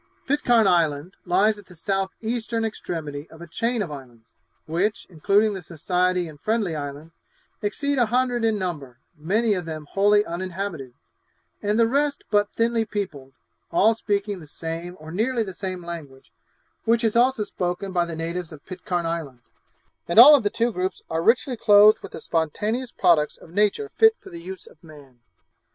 Pitcairn Island lies at the south eastern extremity of a chain of islands, which, including the Society and Friendly Islands, exceed a hundred in number, many of them wholly uninhabited, and the rest but thinly peopled, all speaking the same or nearly the same language, which is also spoken by the natives of Pitcairn Island; and all of the two groups are richly clothed with the spontaneous products of nature fit for the use of man.